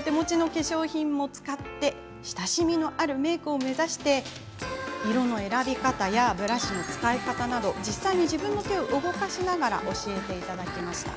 手持ちの化粧品も使って親しみのあるメークを目指して色の選びやブラシの使い方など実際に自分の手を動かしながら教えていただきました。